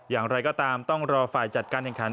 อย่างไรก็ตามต้องรอฝ่ายจัดการแข่งขัน